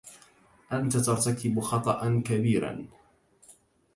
أنت ترتكب خطأً كبيرًا.